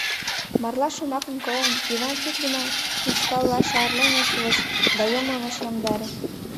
Марла шомакым колын, Йыван чуч гына ушкалла шарлен ыш воч да йылмым ыш йомдаре.